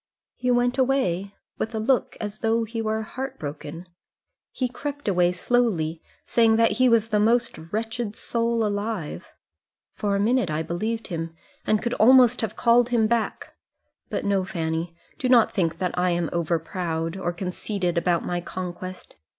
"He went away, with a look as though he were heart broken. He crept away slowly, saying that he was the most wretched soul alive. For a minute I believed him, and could almost have called him back. But, no, Fanny; do not think that I am over proud, or conceited about my conquest.